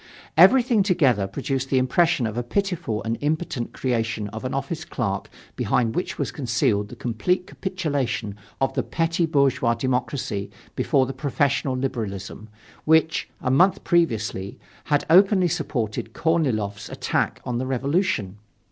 Everything together produced the impression of a pitiful and impotent creation of an office clerk behind which was concealed the complete capitulation of the petty bourgeois democracy before the professional liberalism which, a month previously, had openly supported Korniloff's attack on the Revolution.